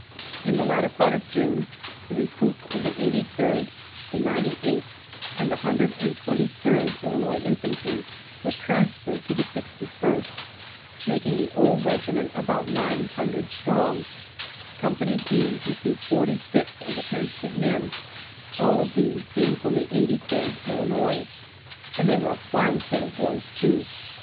In the latter part of June the recruits of the 83rd, the 98th, and the 123rd Illinois Infantry were transferred to the 61st, making the old regiment about nine hundred strong. Co. D received forty six of the transferred men, all of these being from the 83rd Illinois. And they were a fine set of boys, too.